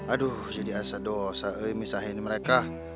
aduh jadi asa dosa misahin mereka